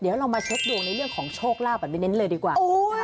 เดี๋ยวเรามาเช็คดวงในเรื่องของโชคลาภแบบเน้นเลยดีกว่า